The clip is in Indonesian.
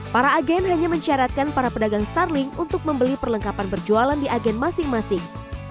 para agen hanya mencaratkan para pedagang starling untuk membeli perlengkapan berjualan di agen masing masing